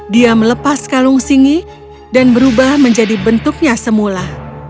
dia melepas kalung singi dan berubah menjadi bentuknya semula